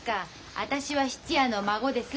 私は質屋の孫です。